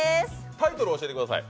タイトルを教えてください。